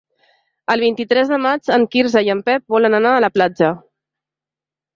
El vint-i-tres de maig en Quirze i en Pep volen anar a la platja.